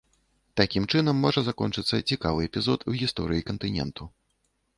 Такім чынам можа закончыцца цікавы эпізод у гісторыі кантыненту.